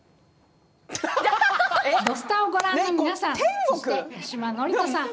「土スタ」をご覧の皆さんそして八嶋智人さん